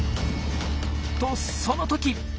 とその時。